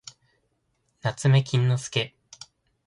なつめきんのすけ